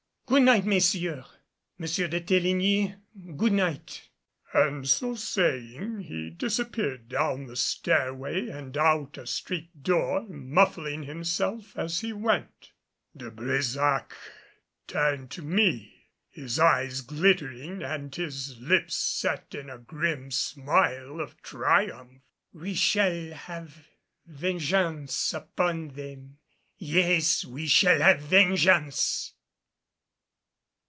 Good night, messieurs! Monsieur de Teligny, good night." And so saying he disappeared down the stairway and out a street door, muffling himself as he went. De Brésac turned to me, his eyes glittering and his lips set in a grim smile of triumph. "We shall have vengeance upon them, yes, we shall have vengeance!"